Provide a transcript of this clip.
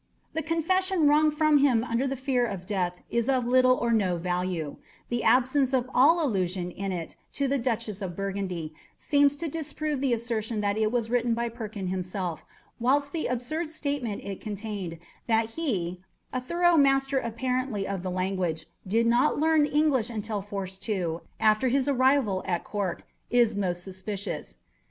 The confession wrung from him under fear of death is of little or no value; the absence of all allusion in it to the Duchess of Burgundy seems to disprove the assertion that it was written by Perkin himself; whilst the absurd statement it contained that he, a thorough master apparently of the language, did not learn English until forced to, after his arrival at Cork, is most suspicious.